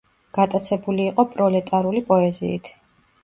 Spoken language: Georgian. გატაცებული იყო პროლეტარული პოეზიით.